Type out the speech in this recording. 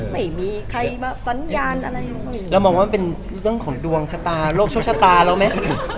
ไม่มีใครมาสัญญาณอะไร